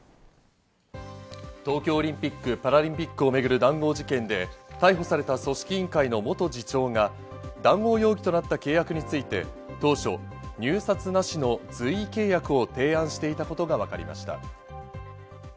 東京オリンピック・パラリンピックを巡る談合事件で、逮捕された組織委員会の元次長が、談合容疑となった契約について当初、入札なしの随意契約を提案していたことがわかりました。